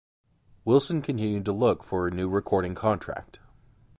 Willson continued to look for a new recording contract.